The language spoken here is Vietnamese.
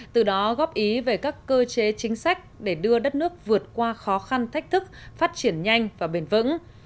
từ đó góp ý về các cơ chế chính sách để đưa đất nước vượt qua khó khăn thách thức phát triển nhanh và bền vững